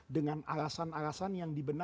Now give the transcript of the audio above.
dengan alasan alasan yang dibenahi